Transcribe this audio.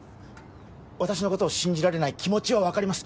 私のことを信じられない気持ちは分かります